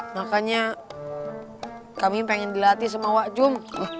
makanya kami pengen dilatih sama wak jum